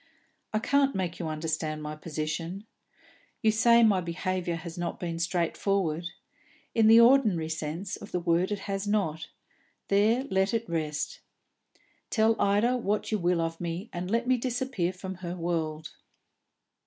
I can't make you understand my position. You say my behaviour has not been straightforward. In the ordinary sense of the word it has not; there let it rest. Tell Ida what you will of me, and let me disappear from her world."